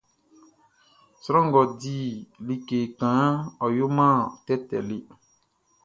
Sran ngʼɔ di like kanʼn, ɔ yoman tɛtɛ le.